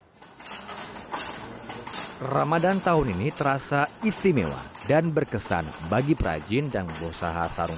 hai ramadhan tahun ini terasa istimewa dan berkesan bagi prajin dan berusaha sarung